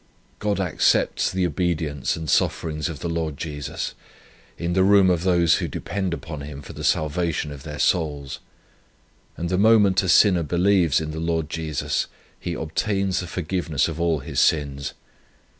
God accepts the obedience and sufferings of the Lord Jesus, in the room of those who depend upon Him for the salvation of their souls; and the moment a sinner believes in the Lord Jesus, he obtains the forgiveness of all his sins.